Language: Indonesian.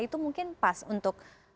itu mungkin pas untuk